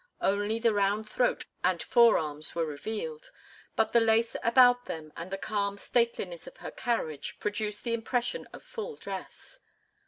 Only the round throat and forearms were revealed, but the lace about them and the calm stateliness of her carriage produced the impression of full dress.